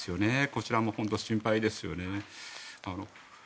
こちらも本当に心配ですよね。